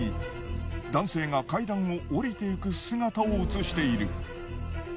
男性が階段を下りていく姿を映している。